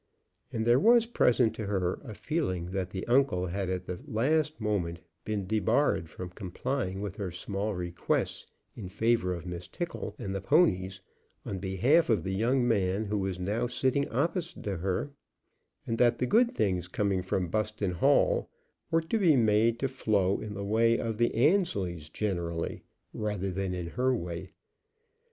And there was present to her a feeling that the uncle had at the last moment been debarred from complying with her small requests in favor of Miss Tickle and the ponies on behalf of the young man who was now sitting opposite to her, and that the good things coming from Buston Hall were to be made to flow in the way of the Annesleys generally rather than in her way.